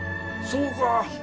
そうか。